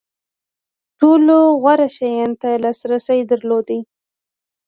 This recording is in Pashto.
ټولو غوره شیانو ته لاسرسی درلود.